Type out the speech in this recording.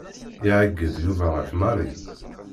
Iɛeggeḍ Yuba ɣef Mary.